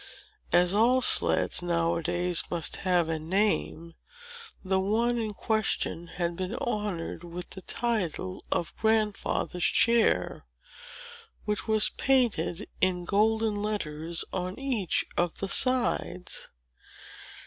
As all sleds, now a days, must have a name, the one in question had been honored with the title of Grandfather's Chair, which was painted in golden letters, on each of the sides.